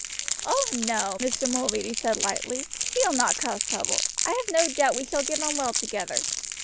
"Oh, no!" Mr. Mulready said lightly, "he will not cause trouble; I have no doubt we shall get on well together.